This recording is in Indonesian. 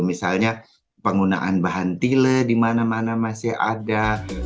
misalnya penggunaan bahan tile dimana mana masih ada